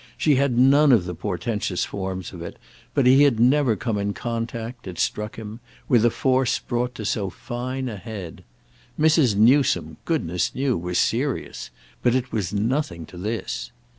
She had none of the portentous forms of it, but he had never come in contact, it struck him, with a force brought to so fine a head. Mrs. Newsome, goodness knew, was serious; but it was nothing to this.